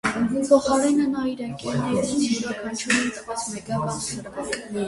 Փոխարենը նա իր ընկերներից յուրաքանչյուրին տվեց մեկական սրվակ։